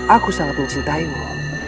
aku sangat mencintaimu